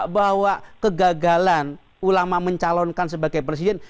bahwa kegagalan ulama mencalonkan sebagai presiden